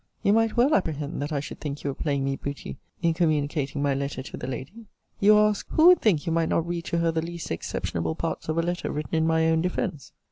You might well apprehend that I should think you were playing me booty in communicating my letter to the lady. You ask, Who would think you might not read to her the least exceptionable parts of a letter written in my own defence?